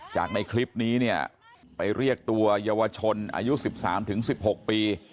ในคลิปนี้เนี่ยไปเรียกตัวเยาวชนอายุ๑๓๑๖ปี